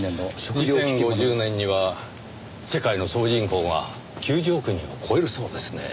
２０５０年には世界の総人口が９０億人を超えるそうですねぇ。